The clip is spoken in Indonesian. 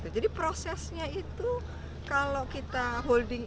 jadi prosesnya itu kalau kita holding ini